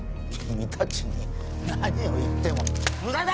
君達に何を言っても無駄だ！